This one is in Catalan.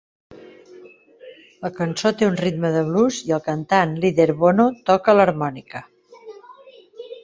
La cançó té un ritme de blues i el cantant líder Bono toca l'harmònica.